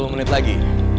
tiga puluh menit lagi